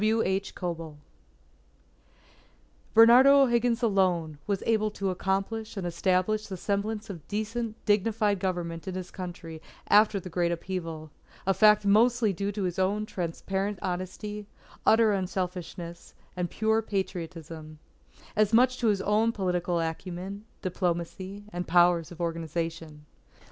_ W. H. KOEBEL _Bernardo O'Higgins alone was able to accomplish and establish the semblance of decent dignified government in his Country after the great upheaval, a fact mostly due to his own transparent honesty, utter unselfishness, and pure Patriotism, as much as to his political acumen, diplomacy, and powers of organization.